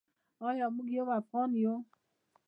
ایا موږ یو افغان یو؟